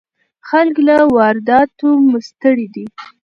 خلک له وارداتو ستړي دي.